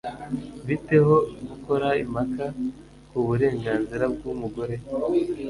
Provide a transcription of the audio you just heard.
Bite ho gukora impaka kuburenganzira bwumugore?